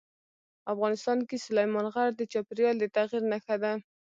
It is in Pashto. افغانستان کې سلیمان غر د چاپېریال د تغیر نښه ده.